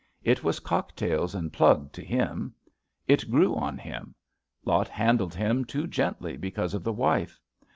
It was cocktails and plug to him. It grew on him. Lot handled him too gently be cause of the wife.